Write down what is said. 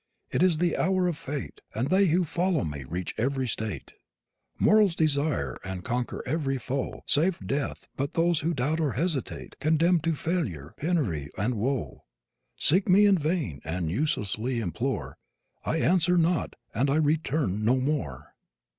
It is the hour of fate, And they who follow me reach every state Mortals desire, and conquer every foe Save Death; but those who doubt or hesitate, Condemned to failure, penury and woe, Seek me in vain and uselessly implore; I answer not and I return no more.